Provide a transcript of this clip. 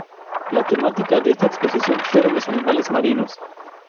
La temática de esta exposición fueron los animales marinos.